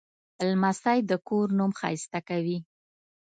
لمسی د کور نوم ښایسته کوي.